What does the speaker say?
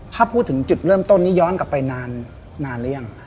ถ้าพูดถึงจุดเริ่มต้นนี้ย้อนกลับไปนานหรือยัง